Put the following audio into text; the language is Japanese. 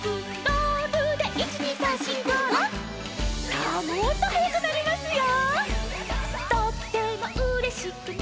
さあもっとはやくなりますよ。